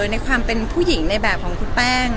ในความเป็นผู้หญิงในแบบของคุณแป้ง